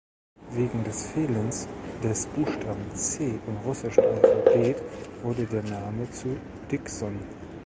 Wegen des Fehlens des Buchstaben "C" im russischen Alphabet wurde der Name zu "Dikson".